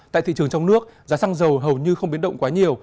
tại thị trường trong nước giá xăng dầu hầu như không biến động quá nhiều